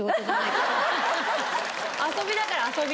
遊びだから遊び。